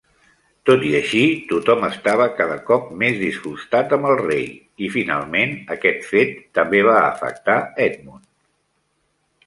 Tot i així, tothom estava cada cop més disgustat amb el rei i, finalment, aquest fet també va afectar Edmund.